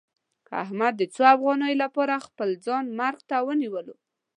احمد د څو افغانیو لپاره خپل ځان مرګ ته ونیولو.